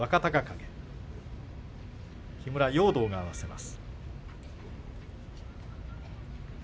木村容堂が合わせます。